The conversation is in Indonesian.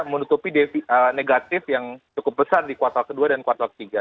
menutupi negatif yang cukup besar di kuartal kedua dan kuartal ketiga